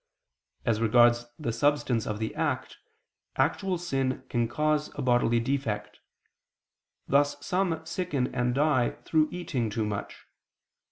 As regards the substance of the act, actual sin can cause a bodily defect: thus some sicken and die through eating too much.